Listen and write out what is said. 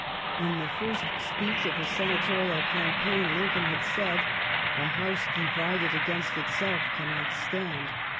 In the first speech of his Senatorial campaign Lin coln had said :" A house divided against itself cannot stand.